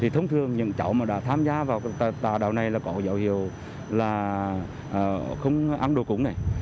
thì thông thường những cháu mà đã tham gia vào tà đạo này là có dạo hiệu là không ăn đồ củng này